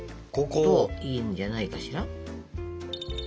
ここ？といいんじゃないかしら？